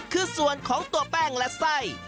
คือส่วนของตัวแป้งและไส้